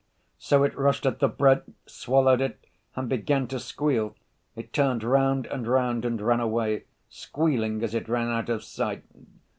So it rushed at the bread, swallowed it, and began to squeal; it turned round and round and ran away, squealing as it ran out of sight.